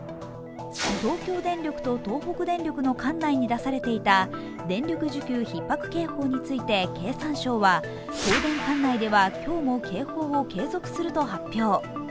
東京電力と東北電力の管内に出されていた電力需給ひっ迫警報について経産省は東電管内では今日も警報を継続すると発表。